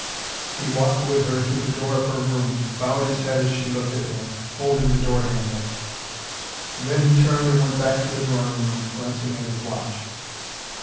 He walked with her to the door of her room, bowed his head as she looked at him, holding the door handle; and then he turned and went back to the drawing room, glancing at his watch.